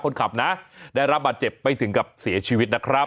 คนขับนะได้รับบาดเจ็บไปถึงกับเสียชีวิตนะครับ